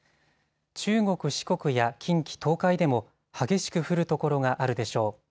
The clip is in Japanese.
中国、四国や近畿、東海でも激しく降る所があるでしょう。